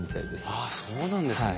ああそうなんですね。